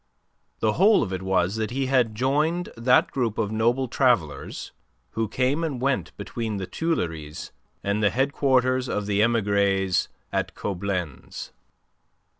The whole of it was that he had joined that group of noble travellers who came and went between the Tuileries and the headquarters of the emigres at Coblenz.